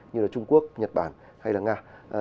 như là trung quốc nhật bản hay là nga